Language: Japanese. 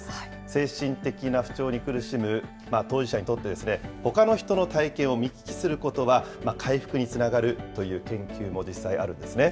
精神的な不調に苦しむ当事者にとって、ほかの人の体験を見聞きすることは、回復につながるという研究も実際あるんですね。